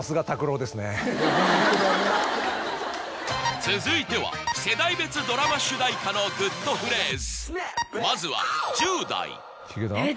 ホントだね続いては世代別ドラマ主題歌のグッとフレーズ！